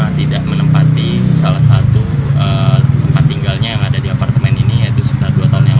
kita tidak menempati salah satu tempat tinggalnya yang ada di apartemen ini yaitu sekitar dua tahun yang lalu